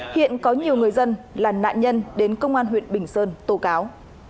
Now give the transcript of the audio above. hiện có nhiều người dân là nạn nhân đến công an huyện bình sơn tố cáo